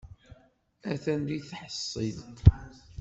Atan deg tḥeṣṣilt.